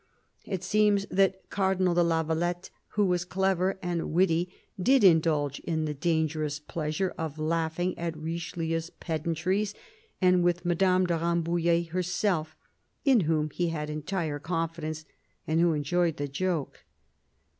" It seems that Cardinal de la Valette, who was clever and witty, did indulge in the dangerous pleasure of laughing at Richelieu's pedantries, and with Madame de Rambouillet herself, " in whom he had entire confidence," and who enjoyed the joke.